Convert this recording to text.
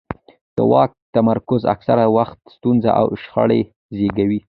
د واک تمرکز اکثره وخت ستونزې او شخړې زیږوي